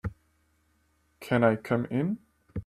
Can I come in?